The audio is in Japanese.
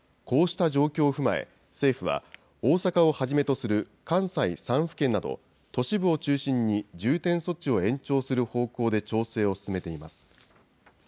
こうした状況を踏まえ、政府は大阪をはじめとする関西３府県など都市部を中心に重点措置を延長する方向で調整を進めています。